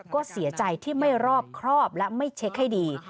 ก็เสียใจที่ไม่รอบครอบและไม่เช็คให้ดี